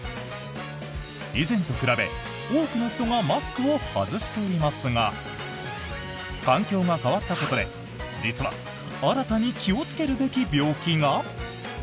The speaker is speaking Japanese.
以前と比べ、多くの人がマスクを外していますが環境が変わったことで、実は新たに気をつけるべき病気が？